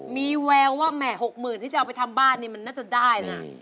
มีแววว่าแหม๖๐๐๐ที่จะเอาไปทำบ้านนี่มันน่าจะได้นะ